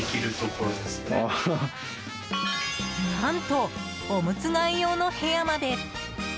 何と、おむつ替え用の部屋まで。